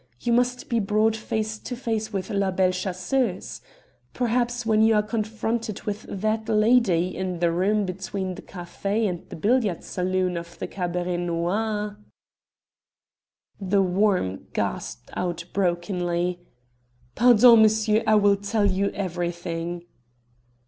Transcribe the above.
You must be brought face to face with La Belle Chasseuse. Perhaps when you are confronted with that lady in the room between the café and the billiard saloon of the Cabaret Noir " "The Worm" gasped out brokenly "Pardon, monsieur! I will tell you everything!"